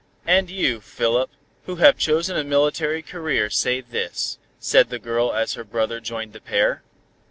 "And you who have chosen a military career say this," said the girl as her brother joined the pair.